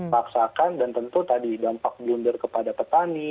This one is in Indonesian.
paksakan dan tentu tadi dampak blunder kepada petani